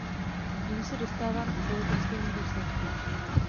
Tím se dostávám k politickému důsledku.